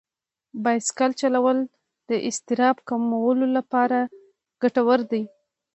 بایسکل چلول د اضطراب کمولو لپاره ګټور دي.